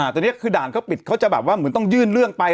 ตอนนี้คือด่านเขาปิดเขาจะแบบว่าเหมือนต้องยื่นเรื่องไป